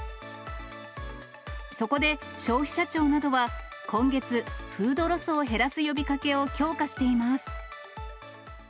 そこで消費者庁などは、今月、フードロスを減らす呼びかけを強化しています。